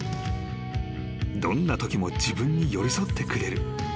［どんなときも自分に寄り添ってくれる］